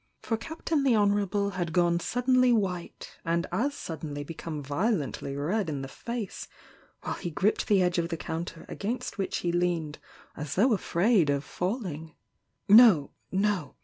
For Captain the Honourable had gone suddenly white, and as suddenly become violently red in the face, while he gripped the edge of the counter agamst which he leaned as though afraid of falling. "No— no!"